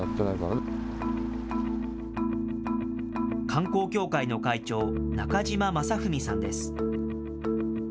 観光協会の会長、中嶋正文さんです。